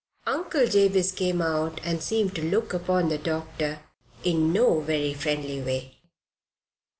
Uncle Jabez came out and seemed to look upon the doctor in no very friendly way.